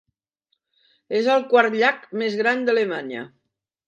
És el quart llac més gran d'Alemanya.